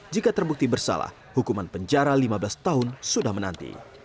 jika terbukti bersalah hukuman penjara lima belas tahun sudah menanti